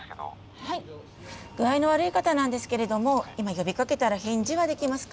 はい具合の悪い方なんですけれども今呼びかけたら返事はできますか？